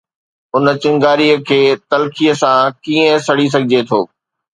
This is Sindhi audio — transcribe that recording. اُن چنگاري کي تلخيءَ سان ڪيئن سڙي سگهجي ٿو؟